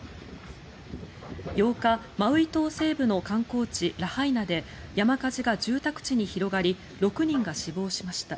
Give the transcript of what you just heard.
８日、マウイ島西部の観光地ラハイナで山火事が住宅地に広がり６人が死亡しました。